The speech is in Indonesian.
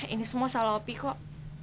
ini semua salah opi kok